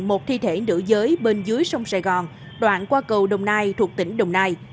một thi thể nữ giới bên dưới sông sài gòn đoạn qua cầu đồng nai thuộc tỉnh đồng nai